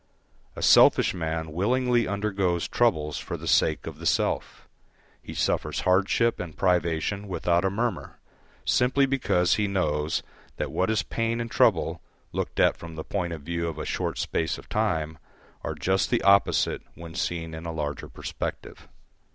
A selfish man willingly undergoes troubles for the sake of the self, he suffers hardship and privation without a murmur, simply because he knows that what is pain and trouble, looked at from the point of view of a short space of time, are just the opposite when seen in a larger perspective.